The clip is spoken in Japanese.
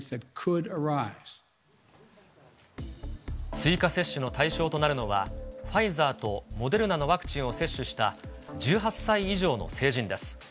追加接種の対象となるのは、ファイザーとモデルナのワクチンを接種した、１８歳以上の成人です。